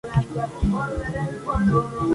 Hubo debate entre las causas de la catástrofe.